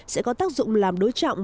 sẽ có tác dụng làm đối trọng